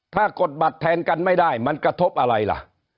ถ้ากดบัตรแทนกันไม่ได้มันกระทบอะไรล่ะ